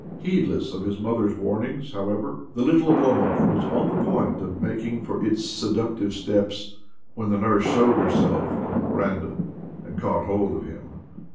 Heedless of his mother's warnings, however, the little Oblomov was on the point of making for its seductive steps when the nurse showed herself on the veranda, and caught hold of him.